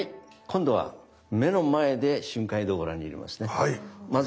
今度は目の前で瞬間移動をご覧に入れますね。